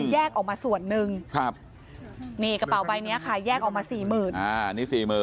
แยกออกมาส่วนหนึ่งนี่กระเป๋าใบนี้ค่ะแยกออกมา๔๐๐๐๐บาท